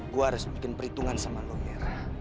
gue harus bikin perhitungan sama lo mir